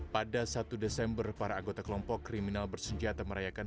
pada satu desember para anggota kelompok kriminal bersenjata merayakan